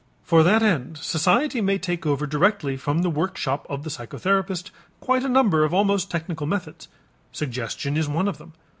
For that end society may take over directly from the workshop of the psychotherapist quite a number of almost technical methods. Suggestion is one of them.